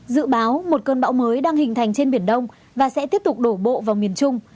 dự báo một cơn bão mới đang hình thành trên biển đông và sẽ tiếp tục đổ bộ vào miền trung